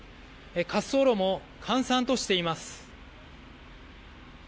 滑走路も閑散としています。